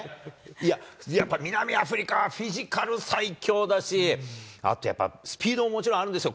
いや、やっぱり南アフリカはフィジカル最強だし、あとやっぱ、スピードももちろんあるんですよ。